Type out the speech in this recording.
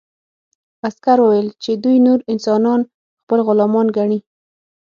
عسکر وویل چې دوی نور انسانان خپل غلامان ګڼي